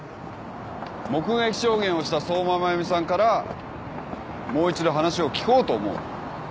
目撃証言をした相馬真弓さんからもう一度話を聞こうと思う。